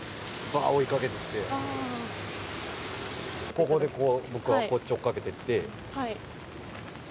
ここで僕はこっちに追いかけていって。